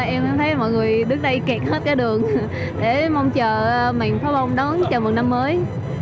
em thấy mọi người đứng đây kẹt hết cả đường để mong chờ màn pháo bóng đón chào mừng năm mới hai nghìn hai mươi ba